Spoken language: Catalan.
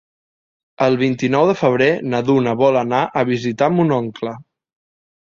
El vint-i-nou de febrer na Duna vol anar a visitar mon oncle.